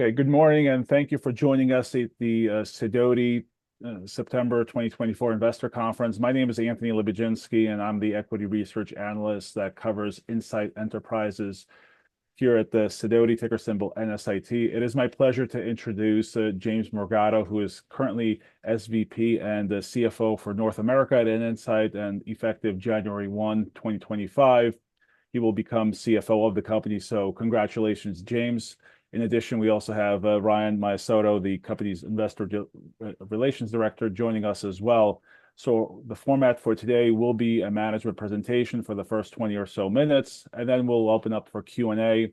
Okay, good morning, and thank you for joining us at the Sidoti September 2024 Investor Conference. My name is Anthony Lebiedzinski, and I'm the equity research analyst that covers Insight Enterprises here at the Sidoti, ticker symbol NSIT. It is my pleasure to introduce James Morgado, who is currently SVP and the CFO for North America at Insight, and effective January 1, 2025, he will become CFO of the company. So congratulations, James. In addition, we also have Ryan Maiocco, the company's investor relations director, joining us as well. So the format for today will be a management presentation for the first 20 or so minutes, and then we'll open up for Q&A.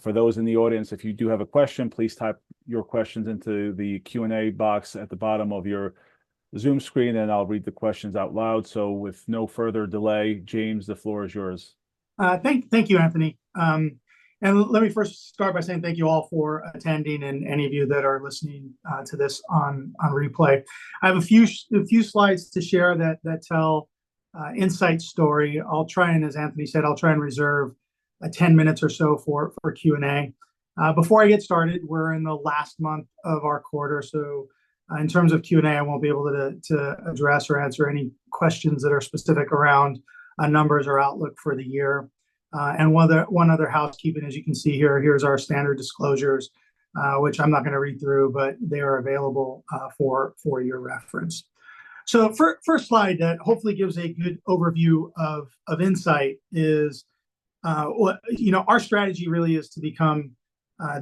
For those in the audience, if you do have a question, please type your questions into the Q&A box at the bottom of your Zoom screen, and I'll read the questions out loud. So with no further delay, James, the floor is yours. Thank you, Anthony. And let me first start by saying thank you all for attending, and any of you that are listening to this on replay. I have a few slides to share that tell Insight's story. I'll try and as Anthony said, I'll try and reserve ten minutes or so for Q&A. Before I get started, we're in the last month of our quarter, so in terms of Q&A, I won't be able to address or answer any questions that are specific around numbers or outlook for the year. And one other housekeeping, as you can see here, here's our standard disclosures, which I'm not gonna read through, but they are available for your reference. So first slide that hopefully gives a good overview of Insight is, well, you know, our strategy really is to become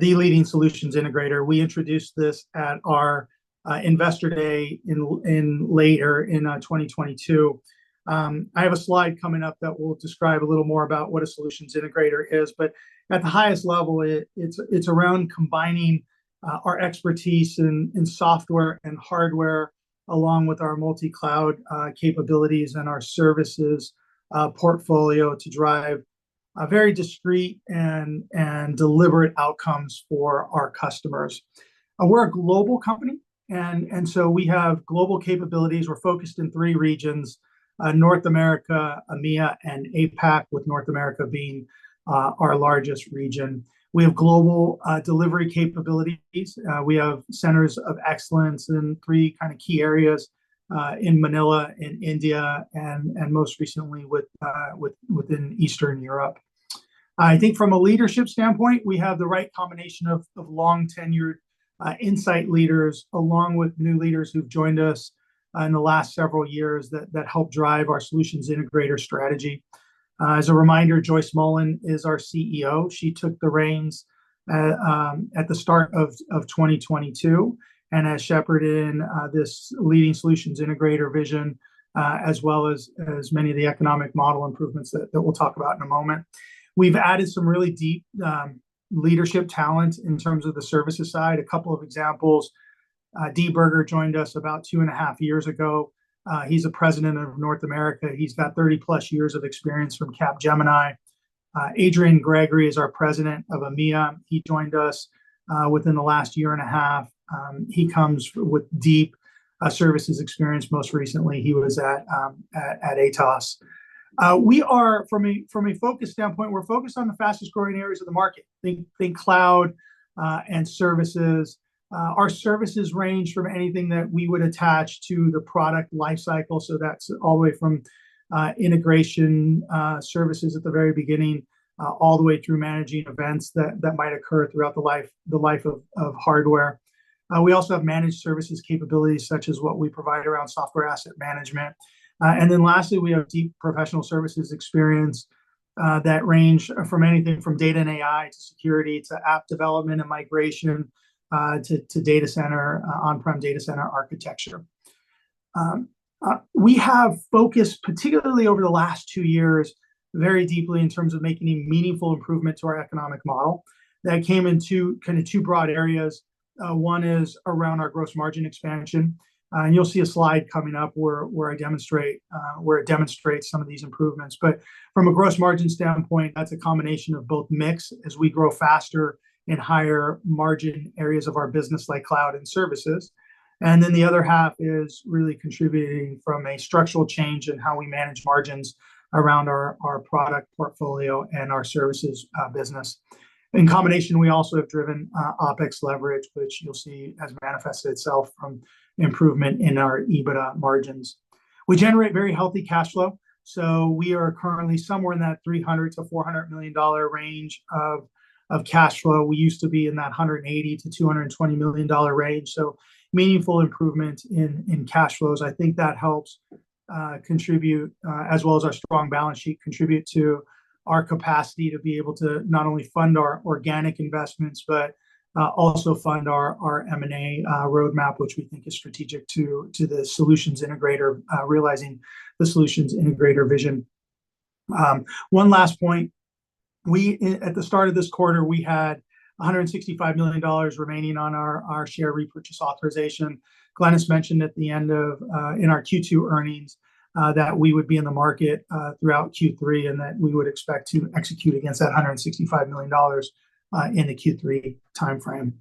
the leading Solutions Integrator. We introduced this at our investor day in late 2022. I have a slide coming up that will describe a little more about what a Solutions Integrator is. But at the highest level, it's around combining our expertise in software and hardware, along with our multi-cloud capabilities and our services portfolio to drive very discrete and deliberate outcomes for our customers. We're a global company, and so we have global capabilities. We're focused in three regions, North America, EMEA, and APAC, with North America being our largest region. We have global delivery capabilities. We have centers of excellence in three kind of key areas in Manila, in India, and most recently within Eastern Europe. I think from a leadership standpoint, we have the right combination of long-tenured Insight leaders, along with new leaders who've joined us in the last several years that help drive our solutions integrator strategy. As a reminder, Joyce Mullen is our CEO. She took the reins at the start of twenty twenty-two and has shepherded in this leading solutions integrator vision, as well as many of the economic model improvements that we'll talk about in a moment. We've added some really deep leadership talent in terms of the services side. A couple of examples, Dee Burger joined us about two and a half years ago. He's the President of North America. He's got thirty-plus years of experience from Capgemini. Adrian Gregory is our President of EMEA. He joined us within the last year and a half. He comes with deep services experience. Most recently, he was at Atos. We are from a focus standpoint, we're focused on the fastest-growing areas of the market, think cloud and services. Our services range from anything that we would attach to the product life cycle. So that's all the way from integration services at the very beginning all the way through managing events that might occur throughout the life of hardware. We also have managed services capabilities, such as what we provide around software asset management. And then lastly, we have deep professional services experience that range from anything from data and AI to security to app development and migration to data center on-prem data center architecture. We have focused, particularly over the last two years, very deeply in terms of making meaningful improvements to our economic model. That came in two broad areas. One is around our gross margin expansion, and you'll see a slide coming up where it demonstrates some of these improvements. But from a gross margin standpoint, that's a combination of both mix as we grow faster in higher margin areas of our business, like cloud and services. And then the other half is really contributing from a structural change in how we manage margins around our product portfolio and our services business. In combination, we also have driven OpEx leverage, which you'll see has manifested itself from improvement in our EBITDA margins. We generate very healthy cash flow, so we are currently somewhere in that $300-$400 million range of cash flow. We used to be in that $180-$220 million range, so meaningful improvement in cash flows. I think that helps contribute, as well as our strong balance sheet, contribute to our capacity to be able to not only fund our organic investments but also fund our M&A roadmap, which we think is strategic to the solutions integrator realizing the solutions integrator vision. One last point, at the start of this quarter, we had $165 million remaining on our share repurchase authorization. Glynis mentioned at the end of in our Q2 earnings that we would be in the market throughout Q3, and that we would expect to execute against that $165 million in the Q3 timeframe...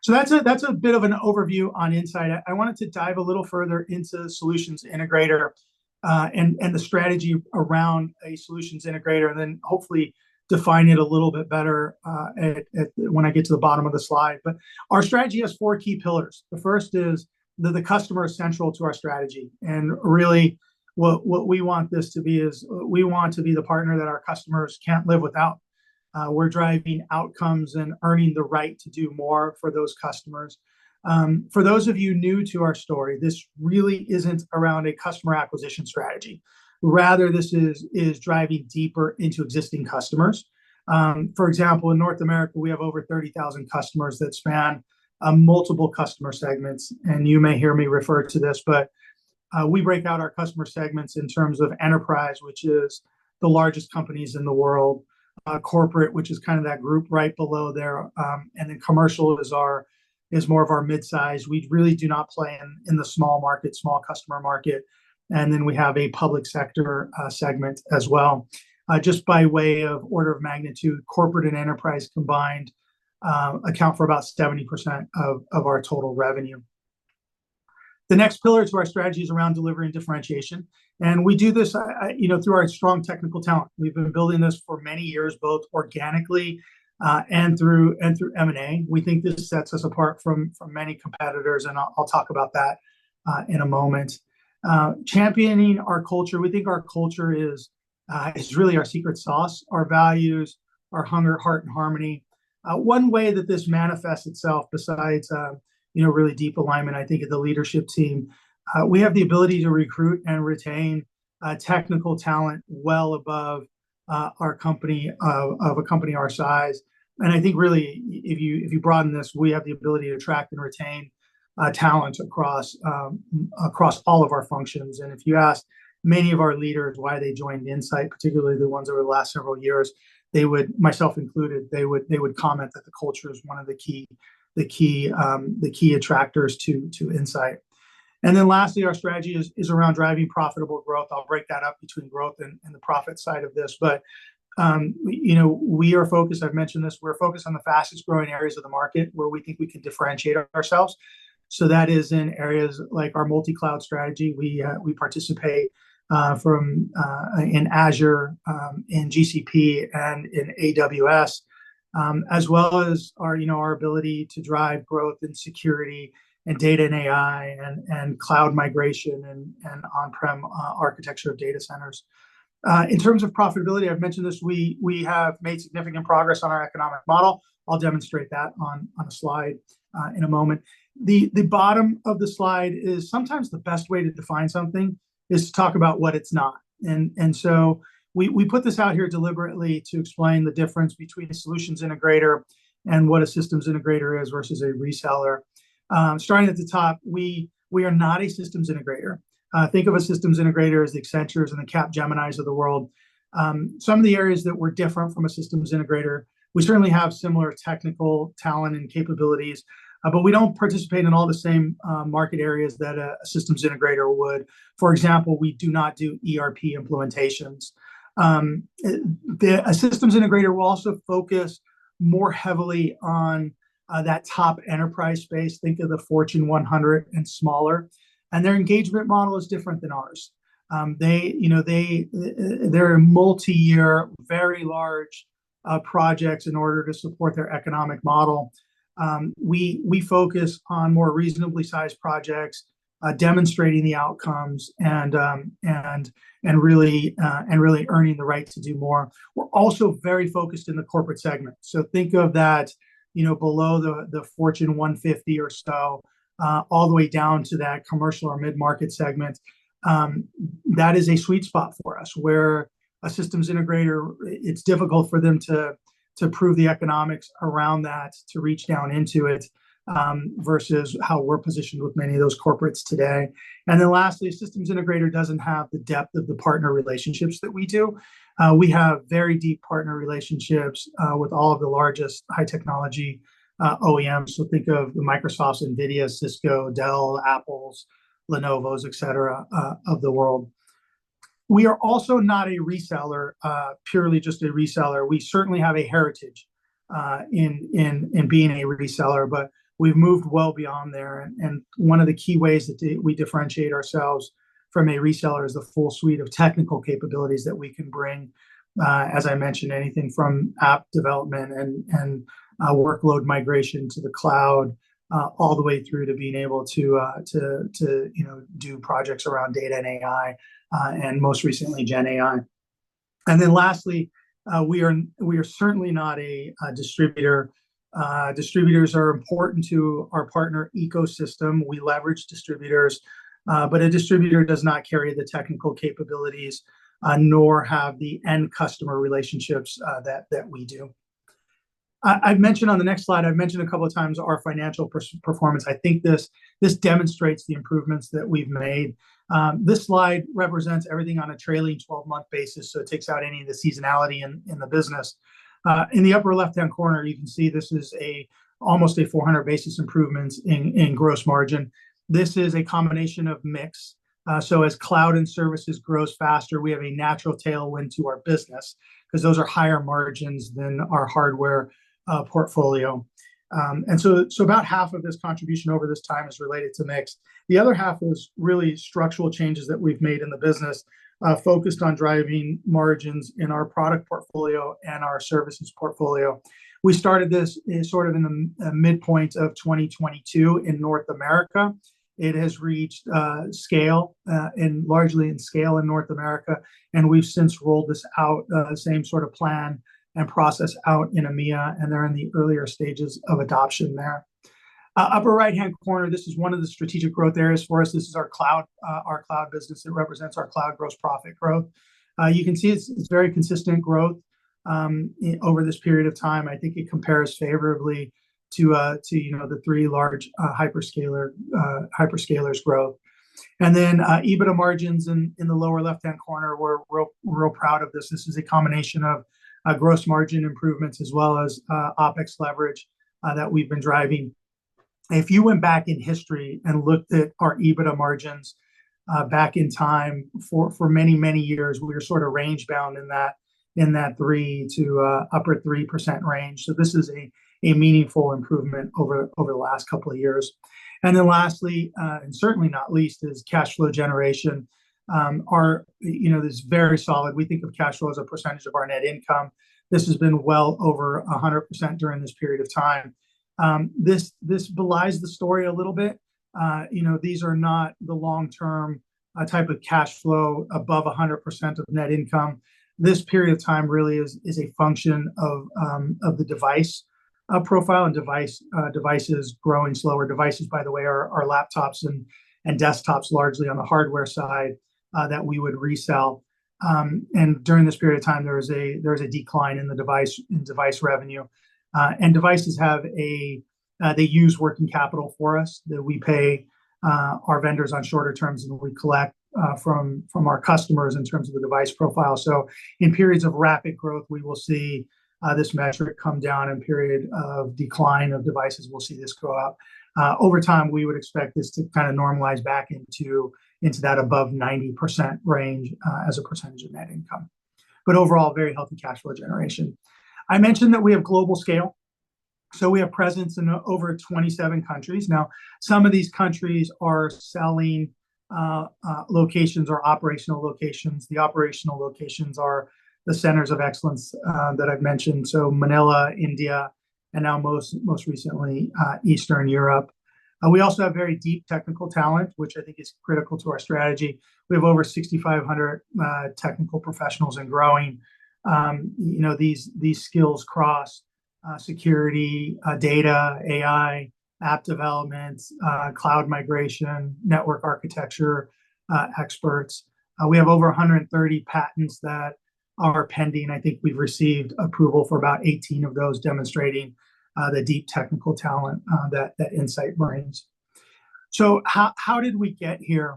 So that's a bit of an overview on Insight. I wanted to dive a little further into solutions integrator and the strategy around a solutions integrator, and then hopefully define it a little bit better at when I get to the bottom of the slide. But our strategy has four key pillars. The first is that the customer is central to our strategy, and really, what we want this to be is we want to be the partner that our customers can't live without. We're driving outcomes and earning the right to do more for those customers. For those of you new to our story, this really isn't around a customer acquisition strategy. Rather, this is driving deeper into existing customers. For example, in North America, we have over 30,000 customers that span multiple customer segments, and you may hear me refer to this, but we break down our customer segments in terms of enterprise, which is the largest companies in the world. Corporate, which is kind of that group right below there. And then commercial is more of our midsize. We really do not play in the small market, small customer market. Then we have a public sector segment as well. Just by way of order of magnitude, corporate and enterprise combined account for about 70% of our total revenue. The next pillar to our strategy is around delivery and differentiation, and we do this, you know, through our strong technical talent. We've been building this for many years, both organically and through M&A. We think this sets us apart from many competitors, and I'll talk about that in a moment. Championing our culture, we think our culture is really our secret sauce, our values, our Hunger, Heart, and harmony. One way that this manifests itself, besides you know, really deep alignment, I think, at the leadership team, we have the ability to recruit and retain technical talent well above our company of a company our size. I think really, if you broaden this, we have the ability to attract and retain talent across all of our functions. And if you ask many of our leaders why they joined Insight, particularly the ones over the last several years, they would, myself included, comment that the culture is one of the key attractors to Insight. And then lastly, our strategy is around driving profitable growth. I'll break that up between growth and the profit side of this. But we, you know, are focused. I've mentioned this. We're focused on the fastest-growing areas of the market where we think we can differentiate ourselves. So that is in areas like our multi-cloud strategy. We participate in Azure, in GCP, and in AWS, as well as our, you know, our ability to drive growth and security and data and AI and cloud migration and on-prem architecture of data centers. In terms of profitability, I've mentioned this, we have made significant progress on our economic model. I'll demonstrate that on a slide in a moment. The bottom of the slide is sometimes the best way to define something is to talk about what it's not. And so we put this out here deliberately to explain the difference between a solutions integrator and what a systems integrator is versus a reseller. Starting at the top, we are not a systems integrator. Think of a systems integrator as the Accenture and the Capgemini of the world. Some of the areas that we're different from a systems integrator, we certainly have similar technical talent and capabilities, but we don't participate in all the same market areas that a systems integrator would. For example, we do not do ERP implementations. A systems integrator will also focus more heavily on that top enterprise space. Think of the Fortune 100 and smaller, and their engagement model is different than ours. They, you know, they're multiyear, very large projects in order to support their economic model. We focus on more reasonably sized projects, demonstrating the outcomes and really earning the right to do more. We're also very focused in the corporate segment. So think of that, you know, below the Fortune 150 or so, all the way down to that commercial or mid-market segment. That is a sweet spot for us, where a systems integrator, it's difficult for them to prove the economics around that, to reach down into it, versus how we're positioned with many of those corporates today. And then lastly, a systems integrator doesn't have the depth of the partner relationships that we do. We have very deep partner relationships with all of the largest high-technology OEMs. So think of the Microsofts, NVIDIAs, Cisco, Dell, Apples, Lenovos, et cetera, of the world. We are also not a reseller, purely just a reseller. We certainly have a heritage in being a reseller, but we've moved well beyond there. One of the key ways that we differentiate ourselves from a reseller is the full suite of technical capabilities that we can bring. As I mentioned, anything from app development and workload migration to the cloud, all the way through to being able to, you know, do projects around data and AI, and most recently, GenAI. And then lastly, we are certainly not a distributor. Distributors are important to our partner ecosystem. We leverage distributors, but a distributor does not carry the technical capabilities, nor have the end customer relationships, that we do. I've mentioned on the next slide, I've mentioned a couple of times our financial performance. I think this demonstrates the improvements that we've made. This slide represents everything on a trailing twelve-month basis, so it takes out any of the seasonality in the business. In the upper left-hand corner, you can see this is almost a 400 basis points improvement in gross margin. This is a combination of mix. So as cloud and services grows faster, we have a natural tailwind to our business, 'cause those are higher margins than our hardware portfolio. And so about half of this contribution over this time is related to mix. The other half is really structural changes that we've made in the business, focused on driving margins in our product portfolio and our services portfolio. We started this in sort of the midpoint of 2022 in North America. It has reached scale largely in North America, and we've since rolled this out, the same sort of plan and process out in EMEA, and they're in the earlier stages of adoption there. Upper right-hand corner, this is one of the strategic growth areas for us. This is our cloud, our cloud business. It represents our cloud gross profit growth. You can see it's very consistent growth in over this period of time. I think it compares favorably to, you know, the three large hyperscalers growth. And then, EBITDA margins in the lower left-hand corner, we're real, real proud of this. This is a combination of gross margin improvements as well as OpEx leverage that we've been driving. If you went back in history and looked at our EBITDA margins, back in time, for many, many years, we were sort of range-bound in that 3% to upper 3% range, so this is a meaningful improvement over the last couple of years. And then lastly, and certainly not least, is cash flow generation. Our... You know, this is very solid. We think of cash flow as a percentage of our net income. This has been well over 100% during this period of time. This belies the story a little bit. You know, these are not the long-term type of cash flow above 100% of net income. This period of time really is a function of the device profile and devices. Growing slower devices, by the way, are our laptops and desktops, largely on the hardware side, that we would resell. And during this period of time, there was a decline in device revenue. And devices have a, they use working capital for us that we pay our vendors on shorter terms than we collect from our customers in terms of the device profile. So in periods of rapid growth, we will see this measure come down. In period of decline of devices, we'll see this go up. Over time, we would expect this to kind of normalize back into that above 90% range, as a percentage of net income. But overall, very healthy cash flow generation. I mentioned that we have global scale, so we have presence in over 27 countries. Now, some of these countries are selling locations or operational locations. The operational locations are the centers of excellence that I've mentioned, so Manila, India, and now most recently Eastern Europe. We also have very deep technical talent, which I think is critical to our strategy. We have over 6,500 technical professionals and growing. You know, these skills cross security, data, AI, app development, cloud migration, network architecture experts. We have over 130 patents that are pending. I think we've received approval for about 18 of those, demonstrating the deep technical talent that Insight brings. So how did we get here?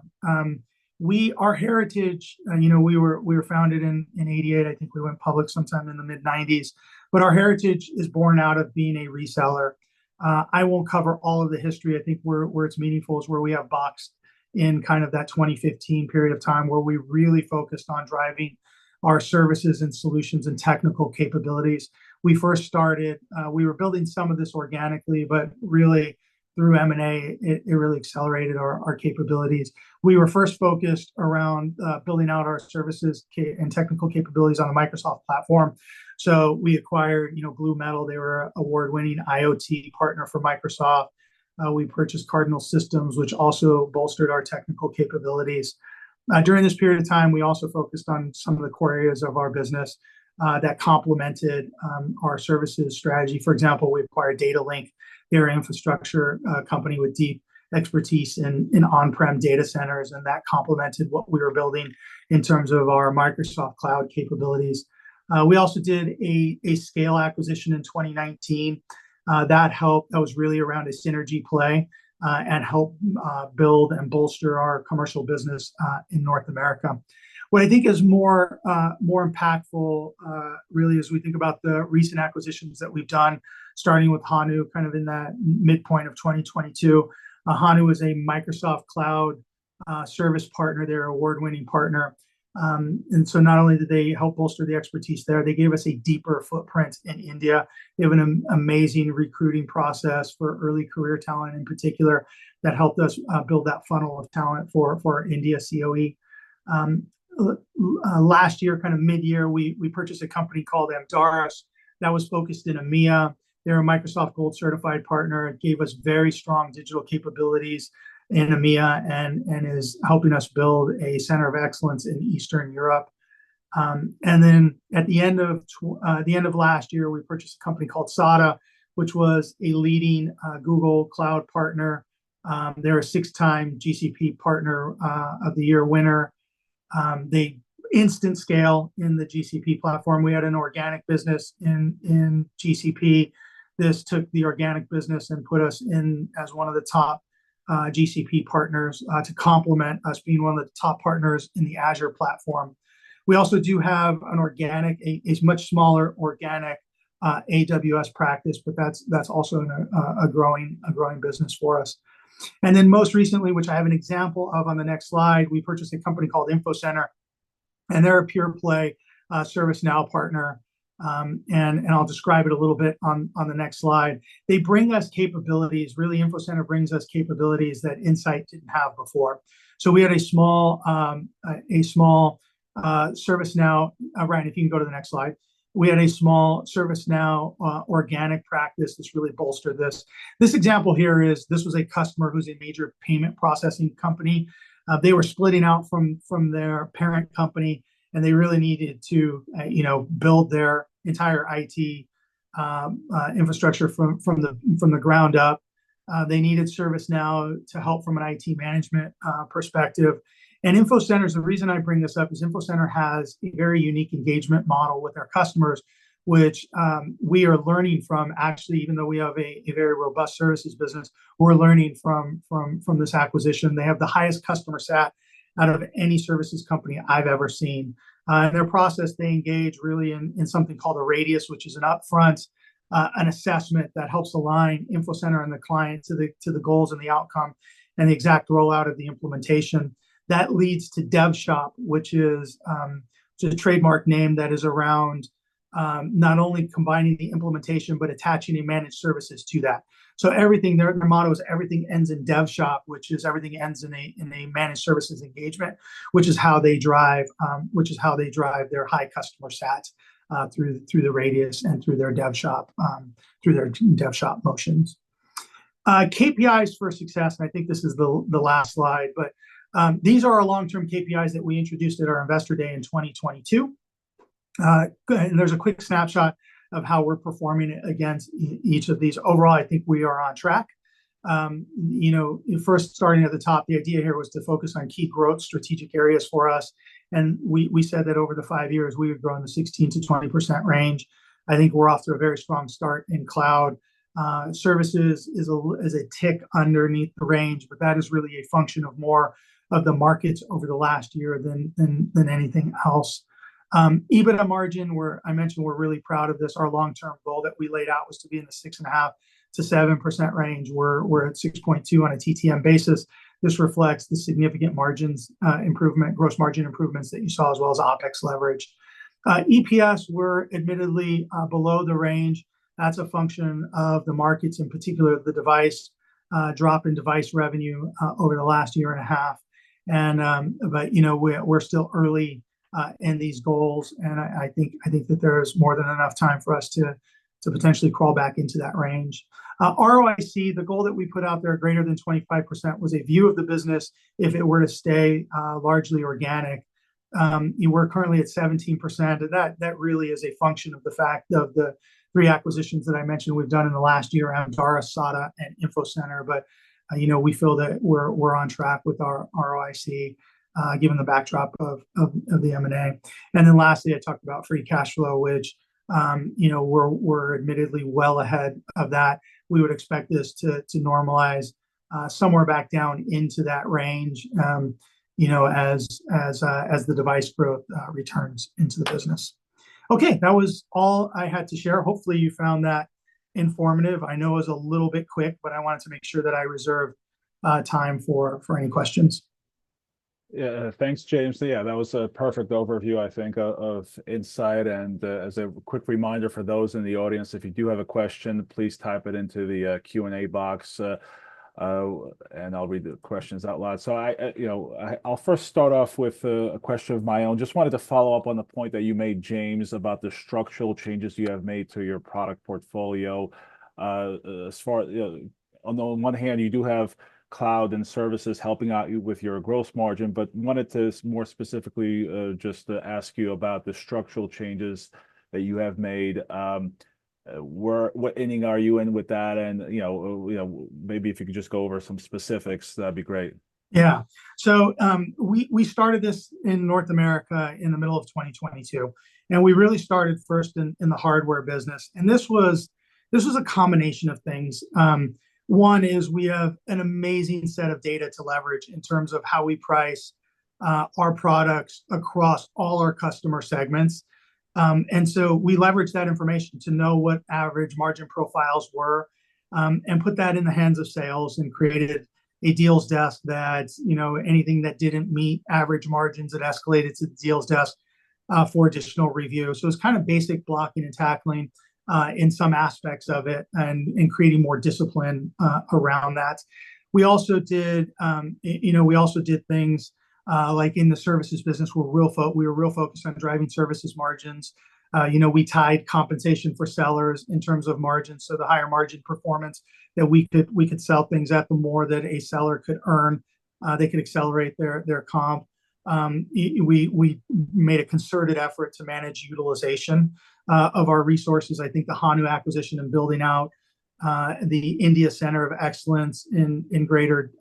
We... Our heritage, you know, we were founded in eighty-eight. I think we went public sometime in the mid-nineties, but our heritage is born out of being a reseller. I won't cover all of the history. I think where it's meaningful is where we have boxed in kind of that twenty-fifteen period of time, where we really focused on driving our services and solutions and technical capabilities. We first started, we were building some of this organically, but really through M&A, it really accelerated our capabilities. We were first focused around building out our services and technical capabilities on the Microsoft platform. So we acquired, you know, BlueMetal. They were an award-winning IoT partner for Microsoft. We purchased Cardinal Solutions, which also bolstered our technical capabilities. During this period of time, we also focused on some of the core areas of our business that complemented our services strategy. For example, we acquired Datalink. They're an infrastructure company with deep expertise in on-prem data centers, and that complemented what we were building in terms of our Microsoft cloud capabilities. We also did a scale acquisition in 2019. That helped. That was really around a synergy play and helped build and bolster our commercial business in North America. What I think is more impactful really, as we think about the recent acquisitions that we've done, starting with Hanu kind of in that midpoint of 2022. Hanu is a Microsoft cloud service partner. They're an award-winning partner. and so not only did they help bolster the expertise there, they gave us a deeper footprint in India. They have an amazing recruiting process for early career talent in particular, that helped us build that funnel of talent for India COE. last year, kind of mid-year, we purchased a company called Amdaris that was focused in EMEA. They're a Microsoft Gold certified partner. It gave us very strong digital capabilities in EMEA and is helping us build a center of excellence in Eastern Europe. and then at the end of the end of last year, we purchased a company called SADA, which was a leading Google Cloud partner. they're a six-time GCP Partner of the Year winner. the instant scale in the GCP platform. We had an organic business in GCP. This took the organic business and put us in as one of the top GCP partners to complement us being one of the top partners in the Azure platform. We also do have an organic, a much smaller organic AWS practice, but that's also a growing business for us. And then most recently, which I have an example of on the next slide, we purchased a company called Infocenter, and they're a pure play ServiceNow partner. And I'll describe it a little bit on the next slide. They bring us capabilities. Really, Infocenter brings us capabilities that Insight didn't have before. So we had a small ServiceNow... Ryan, if you can go to the next slide. We had a small ServiceNow organic practice that's really bolstered this. This example here is, this was a customer who's a major payment processing company. They were splitting out from their parent company, and they really needed to, you know, build their entire IT infrastructure from the ground up. They needed ServiceNow to help from an IT management perspective. InfoCenter, the reason I bring this up is Infocenter has a very unique engagement model with our customers, which we are learning from. Actually, even though we have a very robust services business, we're learning from this acquisition. They have the highest customer sat out of any services company I've ever seen. Their process, they engage really in something called a Radius, which is an upfront assessment that helps align Infocenter and the client to the goals and the outcome and the exact rollout of the implementation. That leads to DevShop, which is a trademark name that is around not only combining the implementation, but attaching the managed services to that. So everything. Their motto is, "Everything ends in DevShop," which is everything ends in a managed services engagement, which is how they drive their high customer sat through the Radius and through their DevShop through their DevShop motions. KPIs for success, and I think this is the last slide, but these are our long-term KPIs that we introduced at our Investor Day in 2022. Good, and there's a quick snapshot of how we're performing against each of these. Overall, I think we are on track. You know, first, starting at the top, the idea here was to focus on key growth strategic areas for us, and we said that over the five years we would grow in the 16%-20% range. I think we're off to a very strong start in cloud. Services is a tick underneath the range, but that is really a function of more of the markets over the last year than anything else. EBITDA margin, I mentioned we're really proud of this. Our long-term goal that we laid out was to be in the 6.5%-7% range, where we're at 6.2% on a TTM basis. This reflects the significant margins improvement, gross margin improvements that you saw, as well as OpEx leverage. EPS were admittedly below the range. That's a function of the markets, in particular, the devices drop in device revenue over the last year and a half. But you know, we're still early in these goals, and I think that there's more than enough time for us to potentially crawl back into that range. ROIC, the goal that we put out there, greater than 25%, was a view of the business if it were to stay largely organic. We're currently at 17%, and that really is a function of the fact of the three acquisitions that I mentioned we've done in the last year around Tara, SADA, and Infocenter. But, you know, we feel that we're on track with our ROIC, given the backdrop of the M&A. And then lastly, I talked about free cash flow, which, you know, we're admittedly well ahead of that. We would expect this to normalize somewhere back down into that range, you know, as the device growth returns into the business. Okay, that was all I had to share. Hopefully, you found that informative. I know it was a little bit quick, but I wanted to make sure that I reserved time for any questions. Yeah, thanks, James. Yeah, that was a perfect overview, I think, of Insight. And, as a quick reminder for those in the audience, if you do have a question, please type it into the Q&A box, and I'll read the questions out loud. So I, you know, I'll first start off with a question of my own. Just wanted to follow up on the point that you made, James, about the structural changes you have made to your product portfolio. On the one hand, you do have cloud and services helping out with your growth margin, but wanted to more specifically, just to ask you about the structural changes that you have made. What inning are you in with that? You know, you know, maybe if you could just go over some specifics, that'd be great. Yeah. So we started this in North America in the middle of twenty twenty-two, and we really started first in the hardware business. And this was a combination of things. One is we have an amazing set of data to leverage in terms of how we price our products across all our customer segments. And so we leveraged that information to know what average margin profiles were, and put that in the hands of sales and created a deals desk that, you know, anything that didn't meet average margins, it escalated to the deals desk for additional review. So it's kind of basic blocking and tackling in some aspects of it and creating more discipline around that. We also did, you know, we also did things like in the services business, we were real focused on driving services margins. You know, we tied compensation for sellers in terms of margins, so the higher margin performance that we could sell things at, the more that a seller could earn, they could accelerate their comp. We made a concerted effort to manage utilization of our resources. I think the Hanu acquisition and building out the India Center of Excellence in greater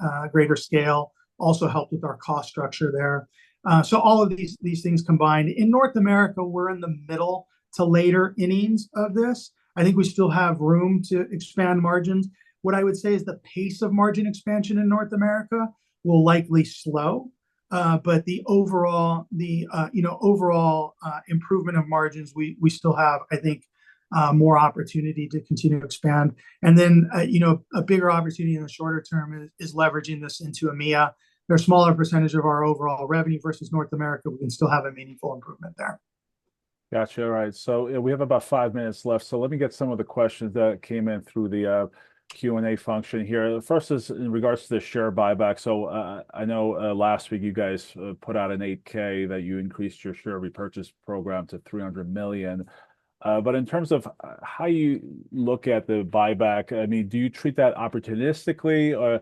scale also helped with our cost structure there. So all of these things combined. In North America, we're in the middle to later innings of this. I think we still have room to expand margins. What I would say is the pace of margin expansion in North America will likely slow. But the overall, you know, overall improvement of margins, we still have, I think, more opportunity to continue to expand. And then, you know, a bigger opportunity in the shorter term is leveraging this into EMEA. They're a smaller percentage of our overall revenue versus North America, but we still have a meaningful improvement there. Gotcha. All right, so, yeah, we have about five minutes left, so let me get some of the questions that came in through the Q&A function here. The first is in regards to the share buyback. So, I know last week you guys put out an 8-K that you increased your share repurchase program to $300 million. But in terms of how you look at the buyback, I mean, do you treat that opportunistically, or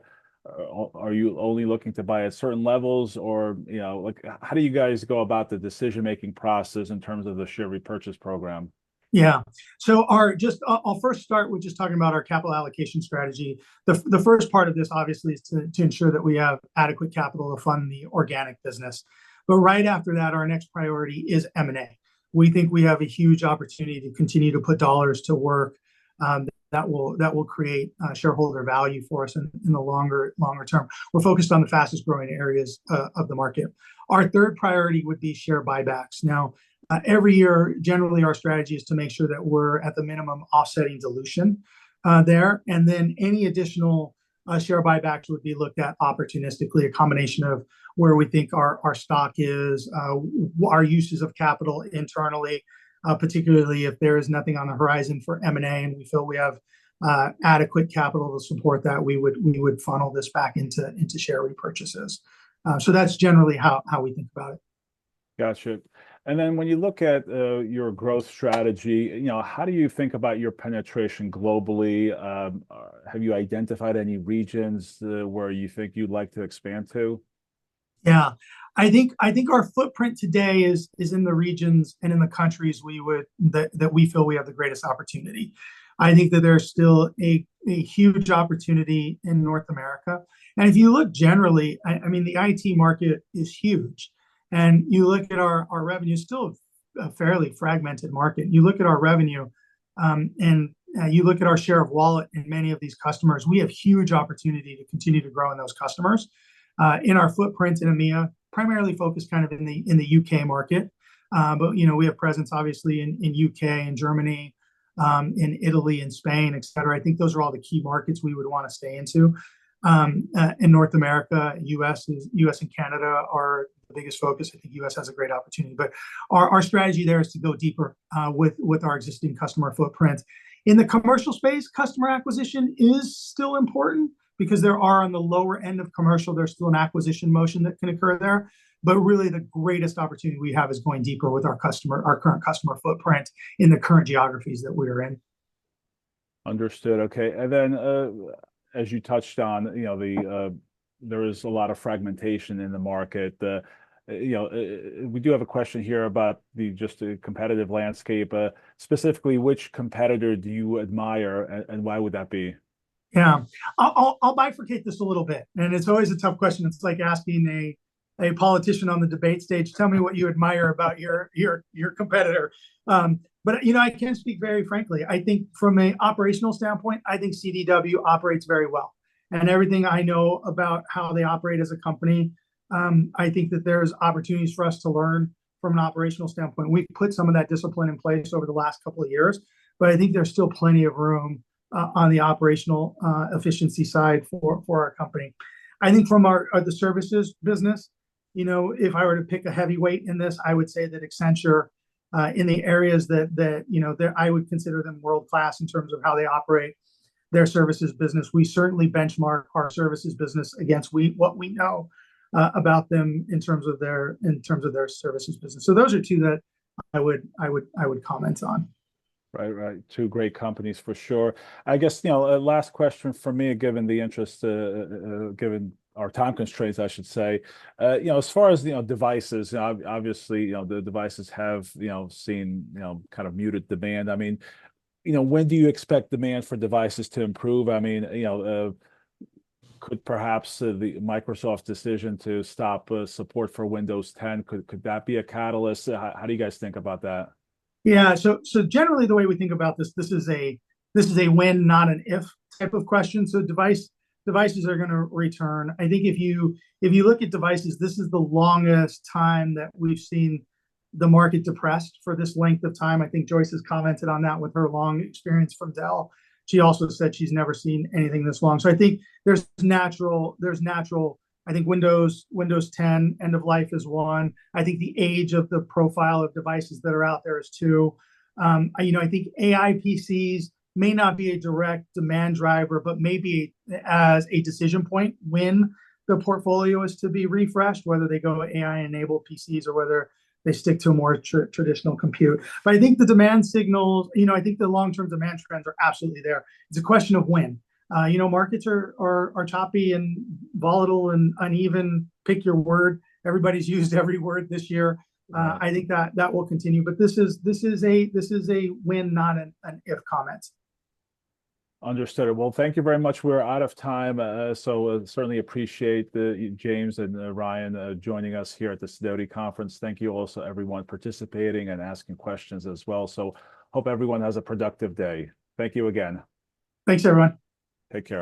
are you only looking to buy at certain levels? Or, you know, like, how do you guys go about the decision-making process in terms of the share repurchase program? Yeah. So I'll first start with just talking about our capital allocation strategy. The first part of this obviously is to ensure that we have adequate capital to fund the organic business. But right after that, our next priority is M&A. We think we have a huge opportunity to continue to put dollars to work that will create shareholder value for us in the longer term. We're focused on the fastest-growing areas of the market. Our third priority would be share buybacks. Now, every year, generally, our strategy is to make sure that we're at the minimum offsetting dilution, there, and then any additional, share buybacks would be looked at opportunistically, a combination of where we think our, our stock is, our uses of capital internally, particularly if there is nothing on the horizon for M&A, and we feel we have, adequate capital to support that, we would, we would funnel this back into, into share repurchases. So that's generally how, how we think about it. Gotcha. And then when you look at your growth strategy, you know, how do you think about your penetration globally? Have you identified any regions where you think you'd like to expand to? Yeah. I think our footprint today is in the regions and in the countries that we feel we have the greatest opportunity. I think that there's still a huge opportunity in North America, and if you look generally, I mean, the IT market is huge. And you look at our revenue, still a fairly fragmented market, and you look at our share of wallet in many of these customers, we have huge opportunity to continue to grow in those customers. In our footprint in EMEA, primarily focused kind of in the UK market. But you know, we have presence obviously in UK, in Germany, in Italy, in Spain, et cetera. I think those are all the key markets we would wanna stay into. In North America, U.S. is, U.S. and Canada are the biggest focus. I think U.S. has a great opportunity, but our strategy there is to go deeper with our existing customer footprint. In the commercial space, customer acquisition is still important because there are, on the lower end of commercial, there's still an acquisition motion that can occur there. But really the greatest opportunity we have is going deeper with our customer- our current customer footprint in the current geographies that we're in. Understood. Okay. And then, as you touched on, you know, the, there is a lot of fragmentation in the market. The, you know, we do have a question here about the, just the competitive landscape. Specifically, which competitor do you admire, and, and why would that be? Yeah. I'll bifurcate this a little bit, and it's always a tough question. It's like asking a politician on the debate stage, "Tell me what you admire about your competitor," but you know, I can speak very frankly. I think from an operational standpoint, I think CDW operates very well. And everything I know about how they operate as a company, I think that there's opportunities for us to learn from an operational standpoint. We've put some of that discipline in place over the last couple of years, but I think there's still plenty of room on the operational efficiency side for our company. I think from the services business, you know, if I were to pick a heavyweight in this, I would say that Accenture in the areas that you know, they're... I would consider them world-class in terms of how they operate their services business. We certainly benchmark our services business against what we know about them in terms of their services business. So those are two that I would comment on. Right, right. Two great companies, for sure. I guess, you know, last question from me, given the interest, given our time constraints, I should say. You know, as far as, you know, devices, obviously, you know, the devices have, you know, kind of muted demand. I mean, you know, when do you expect demand for devices to improve? I mean, you know, could perhaps the Microsoft decision to stop support for Windows 10 could that be a catalyst? How do you guys think about that? Yeah. So generally, the way we think about this, this is a when, not an if, type of question. So devices are gonna return. I think if you look at devices, this is the longest time that we've seen the market depressed for this length of time. I think Joyce has commented on that with her long experience from Dell. She also said she's never seen anything this long. So I think there's natural. I think Windows 10 end of life is one. I think the age of the profile of devices that are out there is two. You know, I think AI PCs may not be a direct demand driver, but maybe as a decision point when the portfolio is to be refreshed, whether they go AI-enabled PCs or whether they stick to a more traditional compute. But I think the demand signals, you know, I think the long-term demand trends are absolutely there. It's a question of when. You know, markets are choppy and volatile and uneven. Pick your word. Everybody's used every word this year. I think that that will continue, but this is a when, not an if comment. Understood. Well, thank you very much. We're out of time, so certainly appreciate the James and Ryan joining us here at the Sidoti Conference. Thank you also, everyone participating and asking questions as well. So hope everyone has a productive day. Thank you again. Thanks, everyone. Take care.